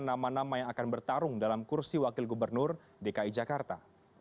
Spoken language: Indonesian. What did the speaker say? nama nama yang akan bertarung dalam kursi wakil gubernur dki jakarta